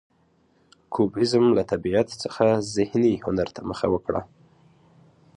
کوبیزم له طبیعت څخه ذهني هنر ته مخه وکړه.